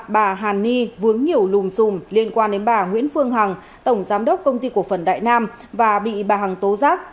bà hàn ni vướng nhiều lùm xùm liên quan đến bà nguyễn phương hằng tổng giám đốc công ty cổ phần đại nam và bị bà hằng tố giác